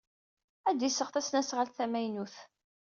Ad d-iseɣ tasnasɣalt tamaynut.